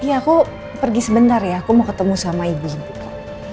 iya aku pergi sebentar ya aku mau ketemu sama ibu ibu kak